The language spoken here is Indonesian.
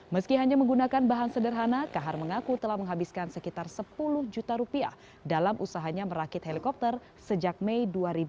meski hanya menggunakan bahan sederhana kahar mengaku telah menghabiskan sekitar sepuluh juta rupiah dalam usahanya merakit helikopter sejak mei dua ribu dua puluh